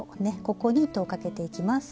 ここに糸をかけていきます。